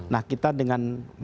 nah kita dengan empat belas